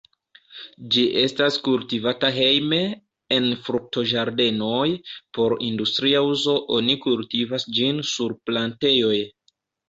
Ĝi estas kultivata hejme, en fruktoĝardenoj, por industria uzo oni kultivas ĝin sur plantejoj.